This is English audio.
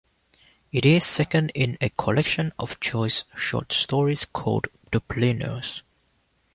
It is second in a collection of Joyce's short stories called "Dubliners".